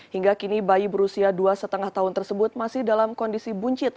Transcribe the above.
hingga kini bayi berusia dua lima tahun tersebut masih dalam kondisi buncit